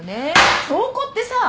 証拠ってさ！